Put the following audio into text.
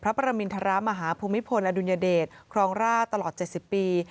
พระประมินทรมาฮภูมิพลอดุลยเดชครองราชตลอด๗๐ปี